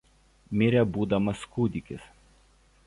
Mirė būdamas kūdikis.